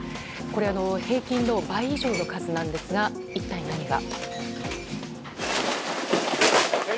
これ平均の倍以上の数なんですが一体何が？